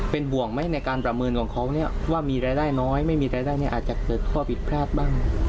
เป็นห่วงไหมในการประเมินของเขาเนี่ยว่ามีรายได้น้อยไม่มีรายได้อาจจะเกิดข้อผิดพลาดบ้าง